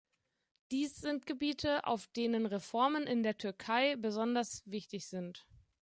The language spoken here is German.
Dies sind Gebiete, auf denen Reformen in der Türkei besonders wichtig sind.